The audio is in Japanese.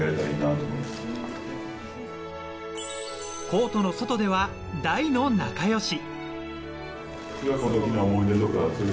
コートの外では大の仲良し。